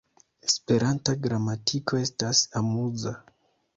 Esperanta gramatiko estas amuza!